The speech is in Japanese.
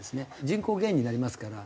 人口減になりますから。